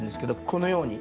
このように